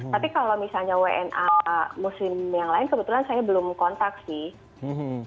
tapi kalau misalnya wna muslim yang lain kebetulan saya belum kontak sih